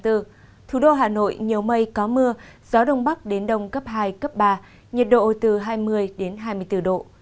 thủ đô hà nội nhiều mây có mưa gió đông bắc đến đông cấp hai cấp ba nhiệt độ từ hai mươi đến hai mươi bốn độ